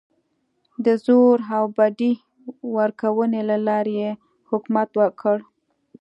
د زور او بډې ورکونې له لارې یې حکومت وکړ.